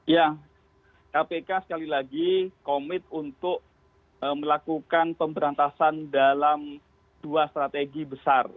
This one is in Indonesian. ya kpk sekali lagi komit untuk melakukan pemberantasan dalam dua strategi besar